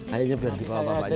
ayahnya berhati hati sama bapaknya